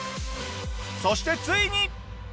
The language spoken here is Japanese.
そしてついに。